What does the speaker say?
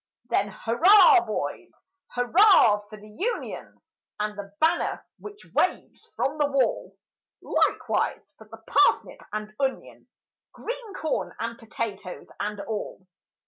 Then hurrah, boys! Hurrah for the Union! And the banner which waves from the wall; Likewise for the parsnip and onion, Green corn and potatoes and all!